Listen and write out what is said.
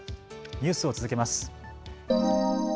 ニュースを続けます。